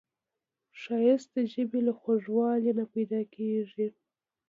ښایست د ژبې له خوږوالي نه پیداکیږي